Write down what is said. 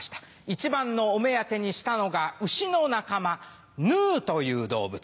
一番のお目当てにしたのが牛の仲間ヌーという動物。